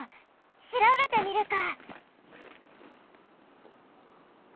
しらべてみるか！